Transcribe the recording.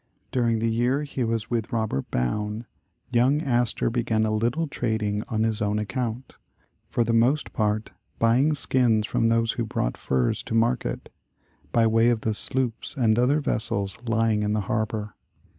During the year he was with Robert Bowne, young Astor began a little trading on his own account, for the; most part buying skins from those who brought furs to market, by way of the sloops and other vessels lying in the harbor.